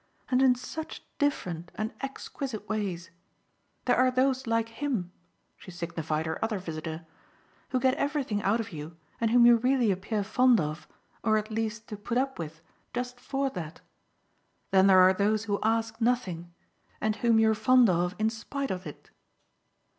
"and in such different and exquisite ways. There are those like HIM" she signified her other visitor "who get everything out of you and whom you really appear fond of, or at least to put up with, just FOR that. Then there are those who ask nothing and whom you're fond of in spite of it."